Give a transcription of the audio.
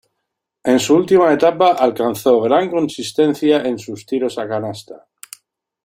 En su última etapa alcanzó gran consistencia en sus tiros a canasta.